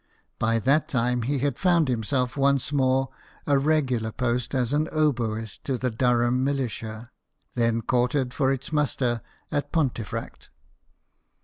By that time, he had found himself once more a regular post as oboist to the Durham militia, then quartered for its muster at Pontefract.